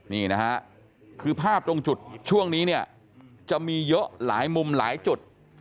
นี่นะฮะคือภาพตรงจุดช่วงนี้เนี่ยจะมีเยอะหลายมุมหลายจุด